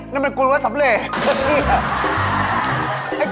นั่นมันกุลวัสด์สำเร็จ